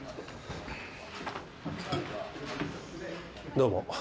どうも。